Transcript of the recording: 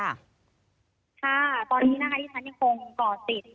ค่ะตอนนี้นะคะที่ท่านเยี่ยงคงก่อติด